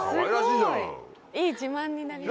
いい自慢になります。